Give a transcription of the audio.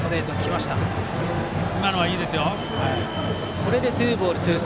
今のはいいですよ。